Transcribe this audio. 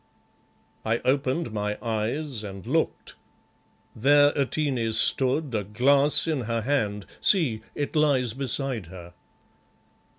"I opened my eyes and looked. There Atene stood, a glass in her hand see, it lies beside her.